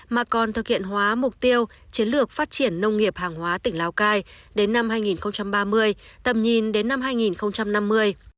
mà còn thực hiện hóa mục tiêu chiến lược phát triển nông nghiệp hàng hóa tỉnh lào cai đến năm hai nghìn ba mươi tầm nhìn đến năm hai nghìn năm mươi